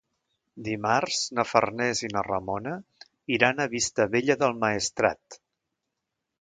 Dimarts na Farners i na Ramona iran a Vistabella del Maestrat.